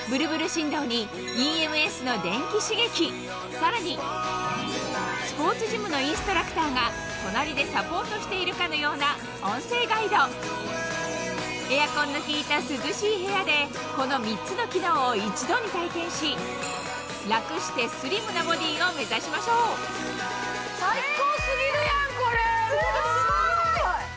さらにスポーツジムのインストラクターが隣でサポートしているかのような音声ガイドエアコンの効いた涼しい部屋でこの３つの機能を一度に体験しラクしてスリムなボディーを目指しましょうすごい。